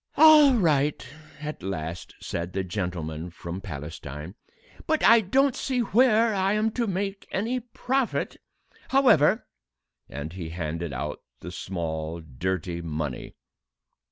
"All right," at last said the gentleman from Palestine, "but I don't see where I am to make any profit; however " And he handed out the small, dirty money.